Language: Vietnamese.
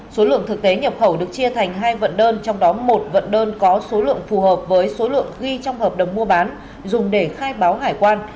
số lượng thực tế nhập khẩu được chia thành hai vận đơn trong đó một vận đơn có số lượng phù hợp với số lượng ghi trong hợp đồng mua bán dùng để khai báo hải quan